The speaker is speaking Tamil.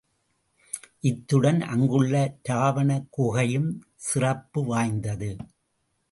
இத்துடன் அங்குள்ள ராவணக் குகையும் சிறப்பு வாய்ந்தது.